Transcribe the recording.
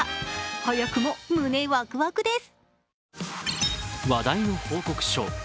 早くも胸ワクワクです。